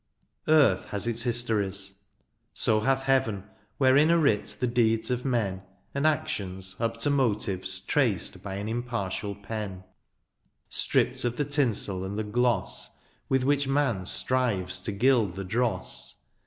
Earth has its histories ; so hath heaven. Wherein are writ the deeds of men, And actions up to motives traced By an impartial pen ; 9S DIOXYSIUS, Stripped of the tinsel and the gloss With which man strives to gild the dross.